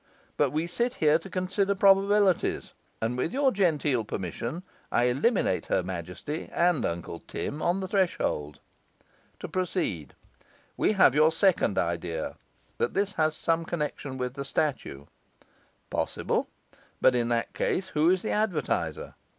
But we sit here to consider probabilities; and with your genteel permission, I eliminate her Majesty and Uncle Tim on the threshold. To proceed, we have your second idea, that this has some connection with the statue. Possible; but in that case who is the advertiser?